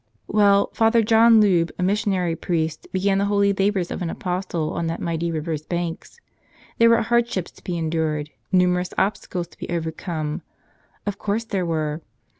Well, Father John Loub, a missionary priest, began the holy labors of an apostle on that mighty river's banks. There were hardships to be endured, numer¬ ous obstacles to be overcome — of course there were.